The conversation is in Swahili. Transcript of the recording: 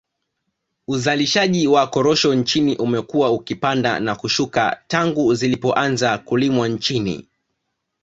Uzalishaji wa korosho nchini umekuwa ukipanda na kushuka tangu zilipoanza kulimwa nchini